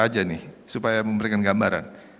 aja nih supaya memberikan gambaran